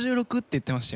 言ってました。